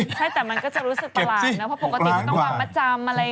ใช่แต่มันก็จะรู้สึกประหลาดนะเพราะปกติก็ต้องวางมัดจำอะไร